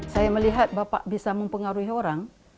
saya melihat bapak bisa mempengaruhi orang